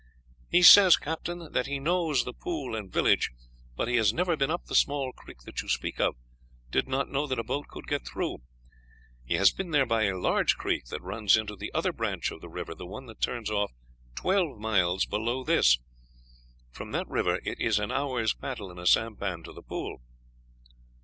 "He says, Captain, that he knows the pool and village; but he has never been up the small creek that you speak of. Did not know that a boat could get through. He has been there by a large creek that runs into the other branch of the river, the one that turns off twelve miles below this; from that river it is an hour's paddle in a sampan to the pool."